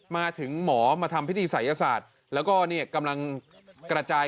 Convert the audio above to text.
มาถึงหมอมาทำพิธีศัยศาสตร์แล้วก็กำลังกระจาย